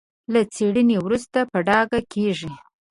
له څېړنې وروسته په ډاګه کېږي.